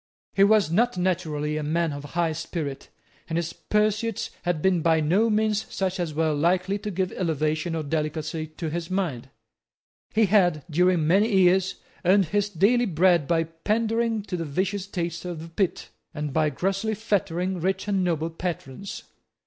He was not naturally a man of high spirit; and his pursuits had been by no means such as were likely to give elevation or delicacy to his mind. He had, during many years, earned his daily bread by pandaring to the vicious taste of the pit, and by grossly flattering rich and noble patrons.